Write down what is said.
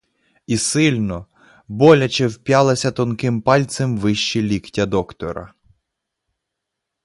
І сильно, боляче вп'ялася тонкими пальцями вище ліктя доктора.